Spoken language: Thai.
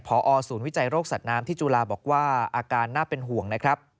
พอศูนย์วิจัยโรคสัตว์น้ำที่จุฬาบอกว่าอาการน่าเป็นห่วงนะครับ